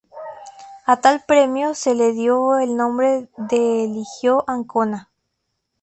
A tal premio se le dio el nombre de "Eligio Ancona".